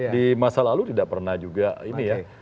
di masa lalu tidak pernah juga ini ya